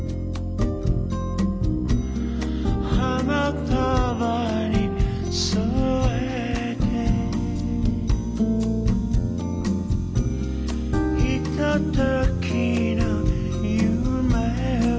「花束に添えて」「ひとときの夢を」